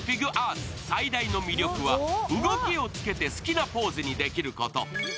最大の魅力は動きをつけて好きなポーズにできること。